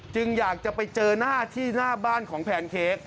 อยากจะไปเจอหน้าที่หน้าบ้านของแพนเค้ก